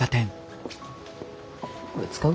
これ使う？